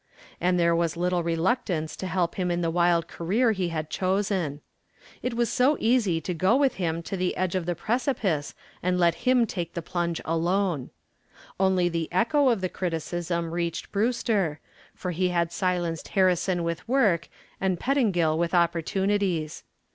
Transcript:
And there was little reluctance to help him in the wild career he had chosen. It was so easy to go with him to the edge of the precipice and let him take the plunge alone. Only the echo of the criticism reached Brewster, for he had silenced Harrison with work and Pettingill with opportunities.